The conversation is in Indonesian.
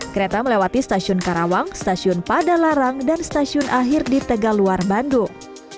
kereta melewati stasiun karawang stasiun padalarang dan stasiun akhir di tegaluar bandung